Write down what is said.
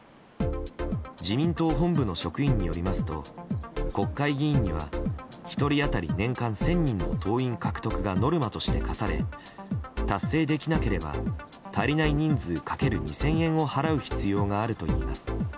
自民党本部の職員によりますと国会議員には１人当たり年間１０００人の党員獲得がノルマとして課され達成できなければ足りない人数かける２０００円を払う必要があるといいます。